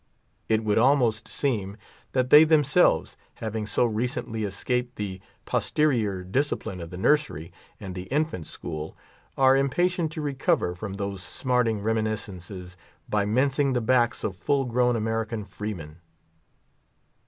It would almost seem that they themselves, having so recently escaped the posterior discipline of the nursery and the infant school, are impatient to recover from those smarting reminiscences by mincing the backs of full grown American freemen.